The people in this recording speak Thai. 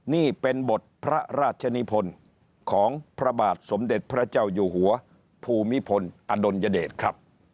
นี่เป็นบทพระราชนิพลของพระบาทสมเด็จพระเจ้าอยู่หัวภูมิพลอดุลยเดชครับ